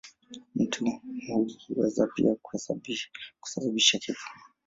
Mti huu huweza pia kusababisha kifo.